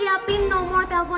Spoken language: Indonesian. yang gue korbusan